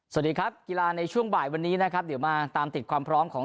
สวัสดีครับกีฬาในช่วงบ่ายวันนี้นะครับเดี๋ยวมาตามติดความพร้อมของ